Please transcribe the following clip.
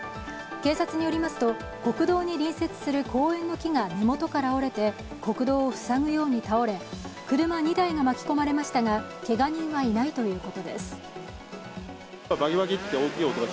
警察によりますと国道に隣接する公園の木が根元から折れて国道を塞ぐように倒れ車２台が巻き込まれましたが、けが人はいないということです。